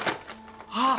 あっ。